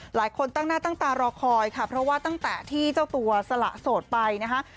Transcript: หลายคนตั้งหน้าตั้งตารอคอยค่ะเพราะว่าตั้งแต่ที่เจ้าตัวสละโสดไปนะคะ